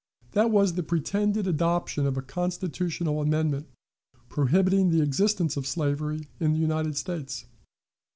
That was the pretended adoption of a constitutional amendment, prohibiting the existence of slavery in the United States.